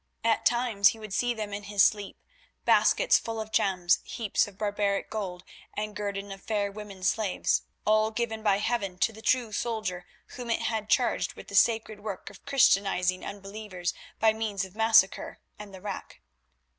At times he would see them in his sleep, baskets full of gems, heaps of barbaric gold and guerdon of fair women slaves, all given by heaven to the true soldier whom it had charged with the sacred work of Christianising unbelievers by means of massacre and the rack.